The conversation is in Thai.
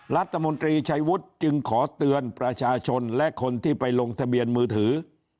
รัฐมนตรีชัยวุฒิจึงขอเตือนประชาชนและคนที่ไปลงทะเบียนมือถือ